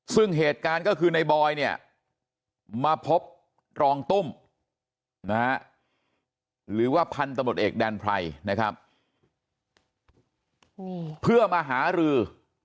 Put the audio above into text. ซึ่งเหตุการณ์ก็คือในบอยเนี่ยมาพบรองตุ้มนะฮะหรือว่าพันธบทเอกแดนไพรนะครับเพื่อมาหารือ